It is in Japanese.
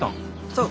そう。